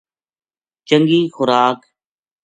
چنگی خوراک